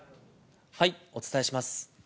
お伝えします。